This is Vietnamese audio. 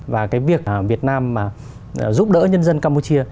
và cái việc việt nam giúp đỡ nhân dân campuchia